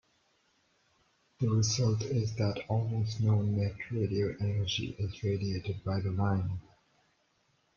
The result is that almost no net radio energy is radiated by the line.